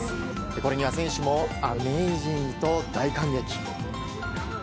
これには選手もアメージングと大感激。